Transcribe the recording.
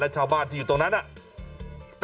และชาวบ้านที่อยู่ตรงนั้นโอเค